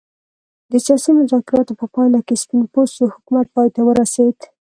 د سیاسي مذاکراتو په پایله کې سپین پوستو حکومت پای ته ورسېد.